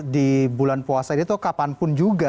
di bulan puasa itu kapanpun juga